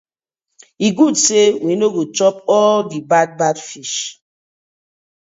E good say we no go chop all the bad bad fish.